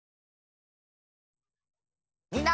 みんな！